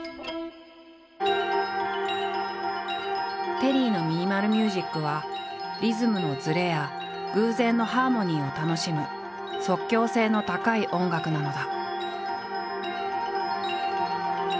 テリーのミニマル・ミュージックはリズムのずれや偶然のハーモニーを楽しむ即興性の高い音楽なのだ。